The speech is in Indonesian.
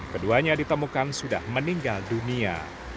keduanya ditemukan sudah meninggal dunia